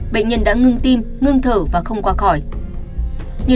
bệnh nhân đã ngưng tim ngưng thở và không qua khỏi